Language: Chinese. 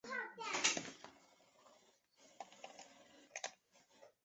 祖父恒煦是清朝最后的镇国公。